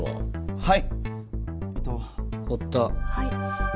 はい！